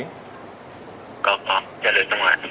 có trả lời trong ngoài